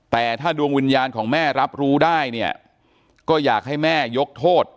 แต่ถ้าดวงวิญญาณของแม่รับรู้ได้เนี่ยก็อยากให้แม่ยกโทษ